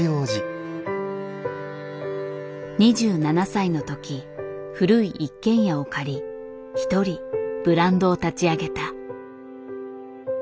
２７歳の時古い一軒家を借り一人ブランドを立ち上げた。